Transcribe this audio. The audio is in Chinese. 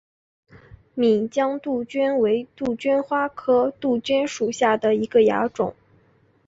岷江杜鹃为杜鹃花科杜鹃属下的一个亚种。